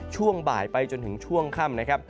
ช่วงบ่ายไปจนถึงช่วงค่ำนะครับ